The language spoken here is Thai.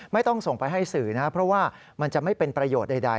ไม่ต้องส่งไปให้สื่อนะเพราะว่ามันจะไม่เป็นประโยชน์ใด